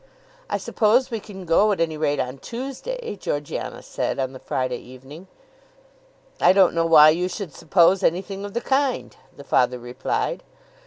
"I suppose we can go at any rate on Tuesday," Georgiana said on the Friday evening. "I don't know why you should suppose anything of the kind," the father replied.